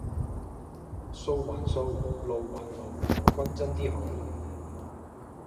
數還數；路還路，均真 D 好